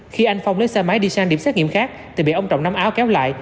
khi anh phong lấy xe máy đi sang điểm xét nghiệm khác thì bị ông trọng nắm áo kéo lại